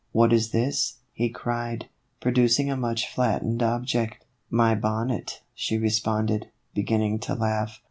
" What is this ?" he cried, producing a much flattened object. " My bonnet," she responded, beginning to laugh.